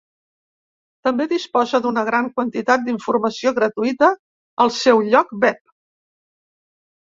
També disposa d'una gran quantitat d'informació gratuïta al seu lloc web.